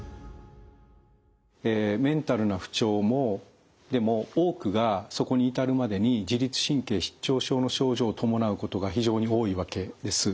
メンタルな不調でも多くがそこに至るまでに自律神経失調症の症状を伴うことが非常に多いわけです。